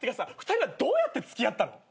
２人はどうやって付き合ったの？